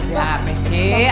ya apa sih